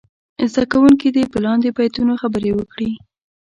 زده کوونکي دې په لاندې بیتونو خبرې وکړي.